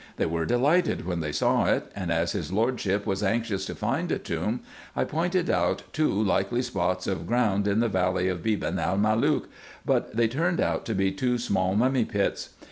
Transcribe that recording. They were delighted when they saw it ; and as his Lordship was anxious to find a tomb, I K K 250 RESEARCHES AND OPERATIONS pointed out two likely spots of ground in the valley of Beban el Malook, but they turned out to be two small mummy pits.